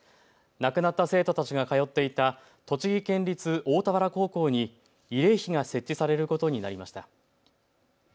亡くなった生徒たちが通っていた栃木県立大田原高校に慰霊碑が設置されることになりました。